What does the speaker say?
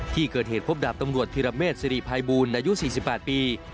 ที่เกิดเหตุพบดาบตำรวจพิรเมษสิริภัยบูลอายุ๔๘ปี